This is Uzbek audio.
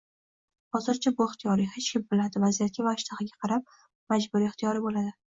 Hozircha bu ixtiyoriy, keyin kim biladi, vaziyatga va ishtahaga qarab, majburiy-ixtiyoriy bo'ladi